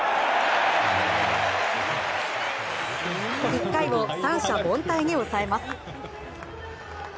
１回を三者凡退に抑えます。